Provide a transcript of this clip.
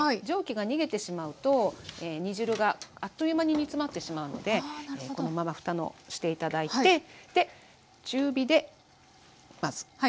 蒸気が逃げてしまうと煮汁があっという間に煮詰まってしまうのでこのままふたのして頂いて。